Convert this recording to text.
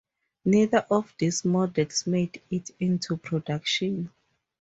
Neither of these models made it into production.